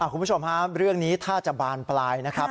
คุณผู้ชมฮะเรื่องนี้ถ้าจะบานปลายนะครับ